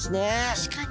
確かに。